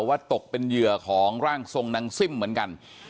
ว่าตกเป็นเหยื่อของร่างทรงนางซิ่มเหมือนกัน